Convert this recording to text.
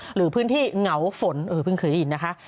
หรือพื้นที่เหงาฝนเออเพิ่งเคยได้ยินนะคะ